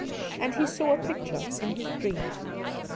And he saw a picture in his dreams.